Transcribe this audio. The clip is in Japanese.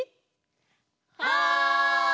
はい！